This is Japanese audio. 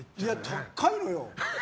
高いのよ。